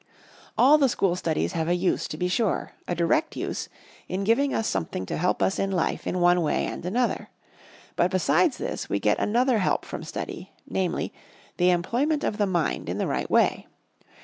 All the school studies have a use, to be sure a direct use in giving us something to help us in life in one way and another. But besides this, we get another help from study; namely, the employment of the mind in the right way.